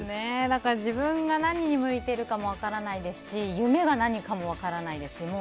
自分が何に向いているかも分からないですし夢がなにかも分からないですし